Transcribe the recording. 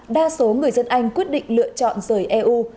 đa số người dân anh quyết định lựa chọn rời eu